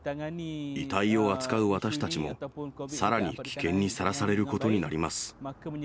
遺体を扱う私たちも、さらに危険にさらされることになります。